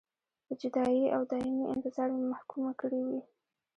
په جدایۍ او دایمي انتظار مې محکومه کړې وې.